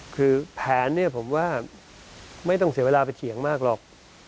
คือแผนเนี่ยผมว่าไม่ต้องเสียเวลาไปเถียงมากหรอก